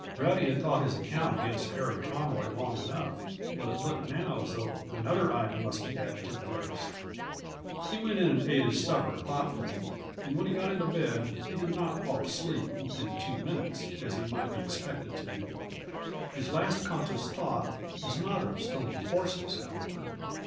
Rowdy had thought his account against Harry Conroy long enough, but it looked now as though another item must be added to the list. He went in and ate his supper thoughtfully, and when he got into bed he did not fall asleep within two minutes, as he might be expected to do. His last conscious thought was not of stolen horses, however.